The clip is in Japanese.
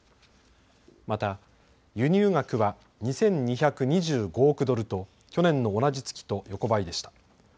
また輸入額は２２２５億ドルと去年の同じ月と横ばいでした。